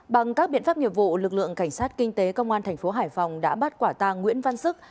bằng các biện pháp nghiệp vụ lực lượng cảnh sát kinh tế công an thành phố hải phòng đã bắt quả tàng nguyễn văn sức